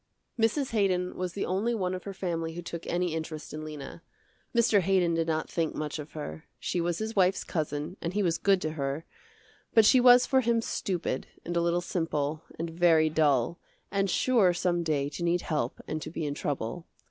Mrs. Haydon was the only one of her family who took any interest in Lena. Mr. Haydon did not think much of her. She was his wife's cousin and he was good to her, but she was for him stupid, and a little simple, and very dull, and sure some day to need help and to be in trouble.